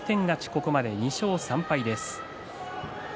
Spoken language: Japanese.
ここまで２勝３敗です。